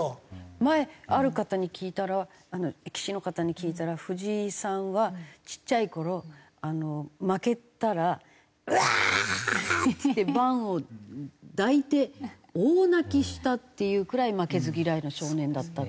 前ある方に聞いたら棋士の方に聞いたら藤井さんはちっちゃい頃負けたら「うわー！」って盤を抱いて大泣きしたっていうくらい負けず嫌いな少年だったって。